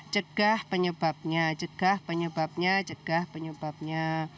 cegah penyebabnya cegah penyebabnya cegah penyebabnya